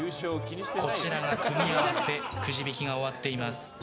こちらが組み合わせくじ引きが終わっています。